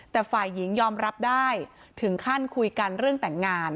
แต่ฝ่ายหญิงยอมรับได้ถึงขั้นคุยกันเรื่องแต่งงาน